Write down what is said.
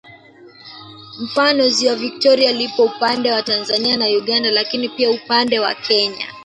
Mfano ziwa Viktoria lipo upande wa Tanzania na Uganda lakini pia upande wa Kenya